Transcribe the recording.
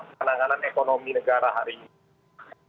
penanganan ekonomi negara hari ini